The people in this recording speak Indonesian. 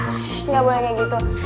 ssss nggak boleh kayak gitu